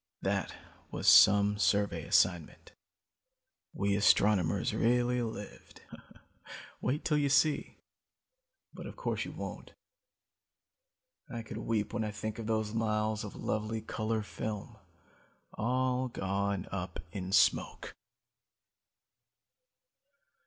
"That was some survey assignment. We astronomers really lived. Wait till you see but of course you won't. I could weep when I think of those miles of lovely color film, all gone up in smoke.